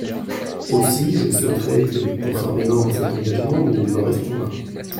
Aussi, je souhaiterais que, conformément à cet engagement, nous en restions là.